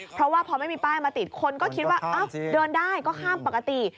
เพราะว่าพอไม่มีป้ายมาติดคนก็คิดว่าเดินได้ก็ข้ามปกติ